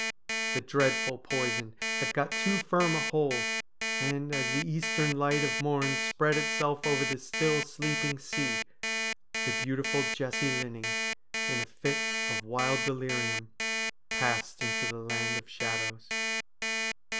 The dreadful poison had got too firm a hold, and, as the eastern light of morn spread itself over the still sleeping sea, the beautiful Jessie Linning, in a fit of wild delirium, passed into the land of shadows.